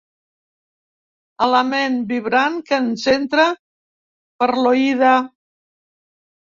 Element vibrant que ens entra per l'oïda.